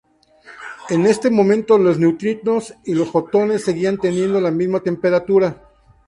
En este momento, los neutrinos y los fotones seguían teniendo la misma temperatura.